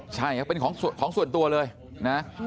ใช่ครับเป็นของส่วนตัวเลยนะ